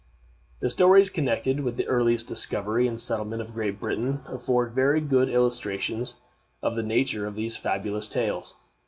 The stories connected with the earliest discovery and settlement of Great Britain afford very good illustrations of the nature of these fabulous tales.